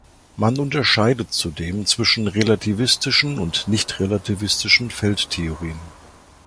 Man unterscheidet zudem zwischen relativistischen und nichtrelativistischen Feldtheorien.